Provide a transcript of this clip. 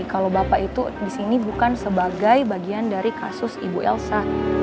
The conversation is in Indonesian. kalau bapak itu di sini bukan sebagai bagian dari kasus ibu elsa